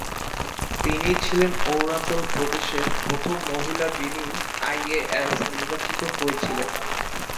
তিনিই ছিলেন অরুণাচল প্রদেশের প্রথম মহিলা যিনি আইএএস নির্বাচিত হয়েছিলেন।